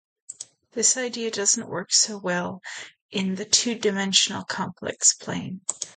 This idea doesn't work so well in the two-dimensional complex plane.